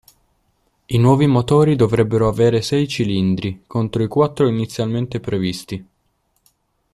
I nuovi motori dovrebbero avere sei cilindri, contro i quattro inizialmente previsti.